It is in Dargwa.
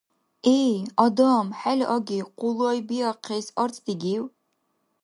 — Эй, адам, хӀела аги къулайбиахъес арц дигив?!